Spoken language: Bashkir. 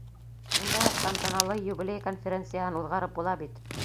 Шундай уҡ тантаналы юбилей конференцияһын уҙғарып була бит.